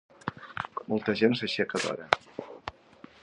Molta gent s'aixeca d'hora.